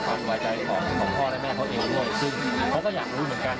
ก็วันนี้ก็พักลงกันว่ามีการส่งนอกสมคุณให้ทางสมุทรดัชมัย